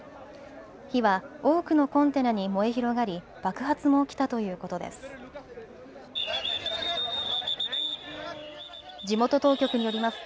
火は多くのコンテナに燃え広がり爆発も起きたということです。